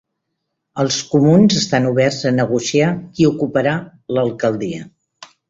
Els comuns estan oberts a negociar qui ocuparà l'alcaldia